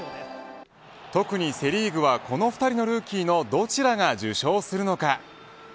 特にセ・リーグはこの２人のルーキーのどちらが受賞するのか。